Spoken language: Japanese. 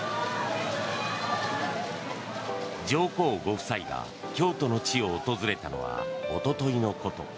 上皇ご夫妻が京都の地を訪れたのはおとといのこと。